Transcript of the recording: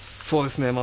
そうですね。